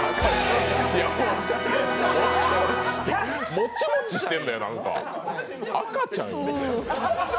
もちもちしてるのよ赤ちゃんみたいな。